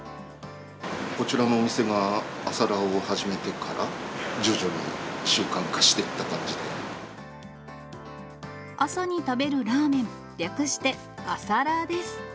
こちらのお店が朝ラーを始めてから徐々に習慣化していった感朝に食べるラーメン、略して朝ラーです。